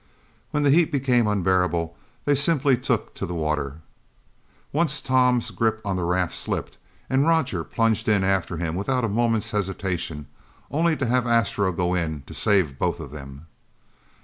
When the heat became unbearable, they simply took to the water. Once Tom's grip on the raft slipped and Roger plunged in after him without a moment's hesitation, only to have Astro go in to save both of them.